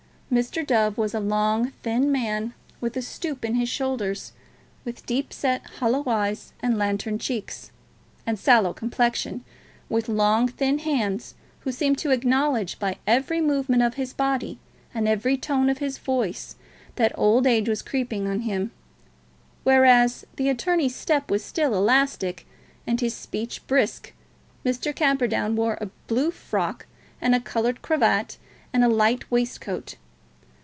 Mr. Dove was a long, thin man, with a stoop in his shoulders, with deep set, hollow eyes, and lanthorn cheeks, and sallow complexion, with long, thin hands, who seemed to acknowledge by every movement of his body and every tone of his voice that old age was creeping on him, whereas the attorney's step was still elastic, and his speech brisk. Mr. Camperdown wore a blue frock coat, and a coloured cravat, and a light waistcoat.